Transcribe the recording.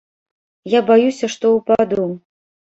Я баюся, што ўпаду.